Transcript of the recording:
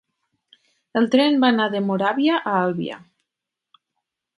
El tren va anar de Moràvia a Albia.